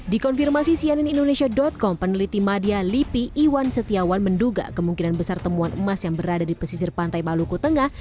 di konfirmasi cnnindonesia com peneliti media lipi iwan setiawan menduga kemungkinan besar temuan emas yang berada di pesisir pantai maluku tengah